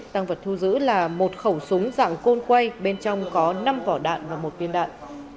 tăng vật thu giữ là một khẩu súng dạng côn quay bên trong có năm vỏ đạn và một viên đạn